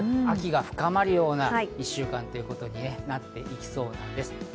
秋が深まるような１週間ということになってきそうです。